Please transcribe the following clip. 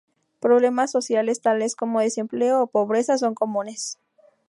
Problemas sociales, tales como desempleo o pobreza, son comunes.